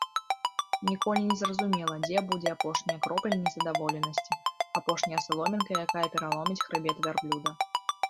Ніколі не зразумела, дзе будзе апошняя кропля незадаволенасці, апошняя саломінка, якая пераломіць хрыбет вярблюда.